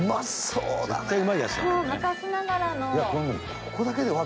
そう昔ながらの。